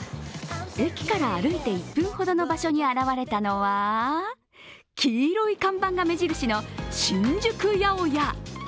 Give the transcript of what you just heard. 駅から歩いて１分ほどの場所に現れたのは黄色い看板が目印の新宿八百屋。